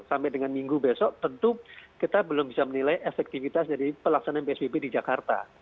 sampai dengan minggu besok tentu kita belum bisa menilai efektivitas dari pelaksanaan psbb di jakarta